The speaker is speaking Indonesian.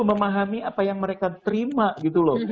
memahami apa yang mereka terima gitu loh